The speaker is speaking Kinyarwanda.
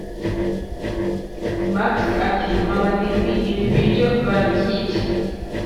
max ati: mama divi! ibi biryo barabyibye!’